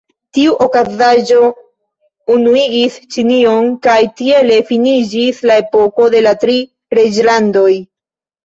Tiu okazaĵo unuigis Ĉinion, kaj tiele finiĝis la epoko de la Tri Reĝlandoj.